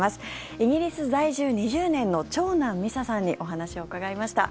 イギリス在住２０年の長南ミサさんにお話を伺いました。